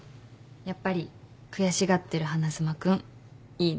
やっぱり悔しがってる花妻君いいなって。